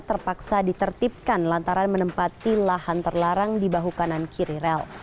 terpaksa ditertibkan lantaran menempati lahan terlarang di bahu kanan kiri rel